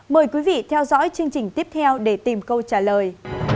mời quý vị theo dõi chương trình tiếp theo để tìm câu trả lời